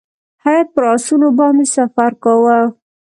هیات پر آسونو باندې سفر کاوه.